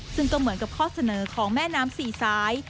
ซึ่งก็เหมือนกับข้อเสนอของแม่น้ำสี่สาย